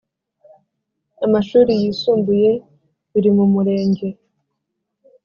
amashuri yisumbuye biri mu Murenge